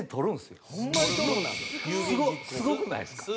すごくないですか？